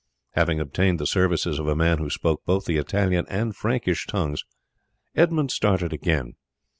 Having obtained the services of a man who spoke both the Italian and Frankish tongues, Edmund started again.